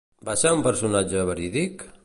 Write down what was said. Va ser un personatge verídic?